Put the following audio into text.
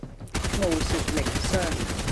傲雪淩霜